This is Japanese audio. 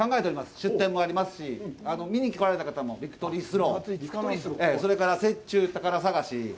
出店もありますし、見に来られた方もビクトリースロー、それから、雪中宝探し。